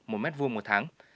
một mét vuông một tháng